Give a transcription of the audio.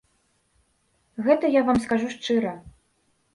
Гэта я вам скажу шчыра.